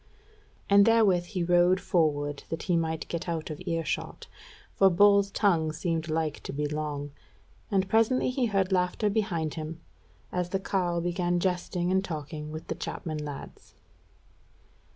And therewith he rode forward that he might get out of earshot, for Bull's tongue seemed like to be long. And presently he heard laughter behind him, as the carle began jesting and talking with the chapman lads.